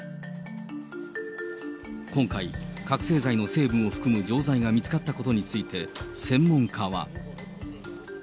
今回、覚醒剤の成分を含む錠剤が見つかったことについて、専門家は。